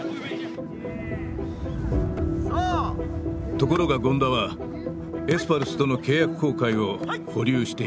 ところが権田はエスパルスとの契約更改を保留していた。